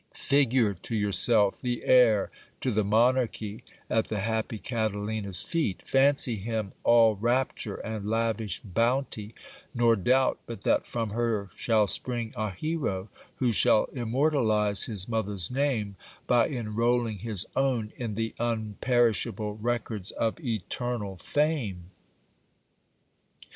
Figure to yourself the heir to the monarchy at the happy Catalina's feet ; fancy him all rapture and lavish bounty ; nor doubt but that from her shall spring a hero, who shall immortalize his mother's name, by enrolling his own in the un perishable records of eternal fame.